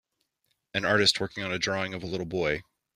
An artist working on a drawing of a little boy.